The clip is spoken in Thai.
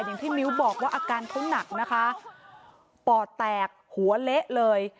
อย่างที่มิ้ลบอกว่าอาการเค้าหนักนะคะป่อแตกหัวเละเลย